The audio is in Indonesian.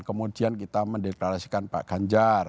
kemudian kita mendeklarasikan pak ganjar